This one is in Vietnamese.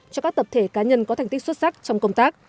cho các tập thể cá nhân có thành tích xuất sắc trong công tác